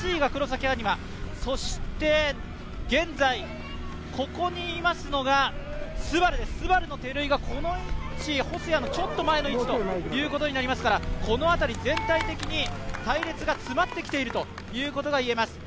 そして現在ここにいますのがＳＵＢＡＲＵの照井がこの位置、細谷のちょっと前の位置ということになりますからこの辺り、全体的に隊列が詰まってきているということが言えます。